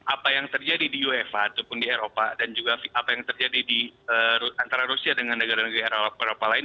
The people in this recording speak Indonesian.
apa yang terjadi di uefa ataupun di eropa dan juga apa yang terjadi di antara rusia dengan negara negara eropa lain